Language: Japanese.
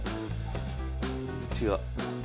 違う。